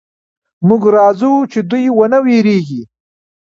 موږ راځو چې دوئ ونه وېرېږي.